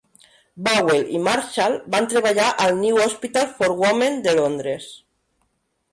Bovell i Marshall van treballar al New Hospital for Women de Londres.